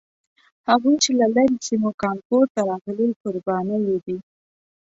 هغه چې له لرې سیمو کانکور ته راغلي کوربانه یې دي.